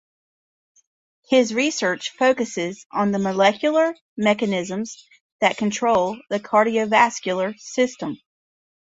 His research focuses on the molecular mechanisms that control the cardiovascular system.